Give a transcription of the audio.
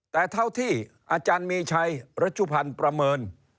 แต่เท่าที่อาจารย์มีชัยรัชุพันธ์ประเมิน